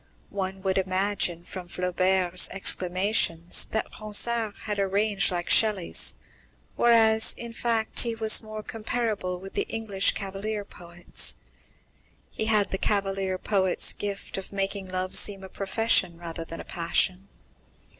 One would imagine from Flaubert's exclamations that Ronsard had a range like Shelley's, whereas, in fact, he was more comparable with the English cavalier poets. He had the cavalier poet's gift of making love seem a profession rather than a passion.